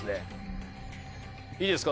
いいですか？